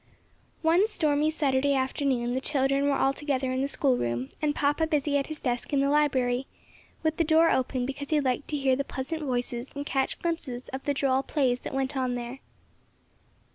One stormy Saturday afternoon the children were all together in the school room, and papa busy at his desk in the library, with the door open because he liked to hear the pleasant voices and catch glimpses of the droll plays that went on there.